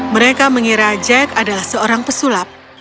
mereka mengira jack adalah seorang pesulap